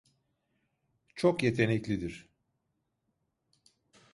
Çok yeteneklidir.